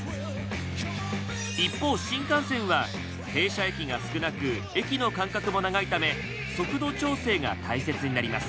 一方新幹線は停車駅が少なく駅の間隔も長いため速度調整が大切になります。